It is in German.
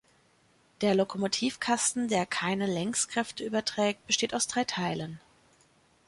Der Lokomotivkasten, der keine Längskräfte überträgt, besteht aus drei Teilen.